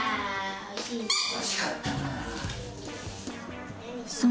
惜しかったな。